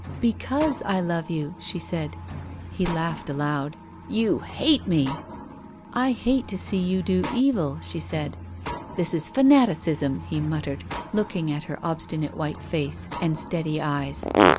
" Because I love you," she said. He laughed aloud. "You hate me," he cried. " I hate to see you do evil," she said. "This is fanaticism," he muttered, looking at her obstinate white face, and steady eyes.